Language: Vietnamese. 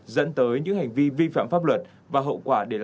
dẫn tới những hành vi vi phạm pháp luật và hậu quả để lại sẽ rất nặng nề